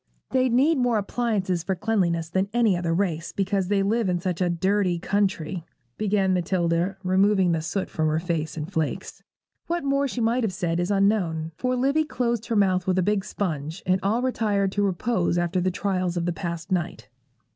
'They need more appliances for cleanliness than any other race, because they live in such a dirty country,' began Matilda, removing the soot from her face in flakes. What more she might have said is unknown; for Livy closed her mouth with a big sponge, and all retired to repose after the trials of the past night.